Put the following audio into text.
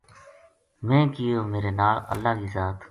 میں کہیو میرے نال اللہ کی ذات